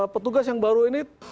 petugas yang baru ini